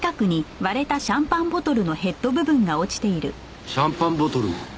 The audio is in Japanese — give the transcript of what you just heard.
シャンパンボトル。